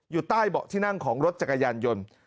อยู่ใต้เบาะที่นั่งของรถจักรยานยนต์